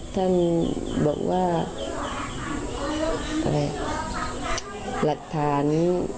ท่านบอกว่าอะไรหลักฐาน